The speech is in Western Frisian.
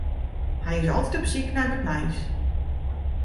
Hy is altyd op syk nei wat nijs.